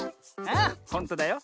ああほんとだよ。